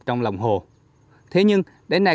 trong lòng hồ thế nhưng đến nay